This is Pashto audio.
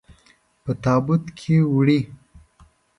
په تابوت کې وړئ.